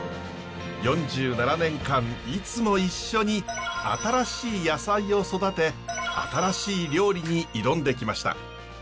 ４７年間いつも一緒に新しい野菜を育て新しい料理に挑んできました。